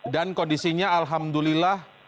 dan kondisinya alhamdulillah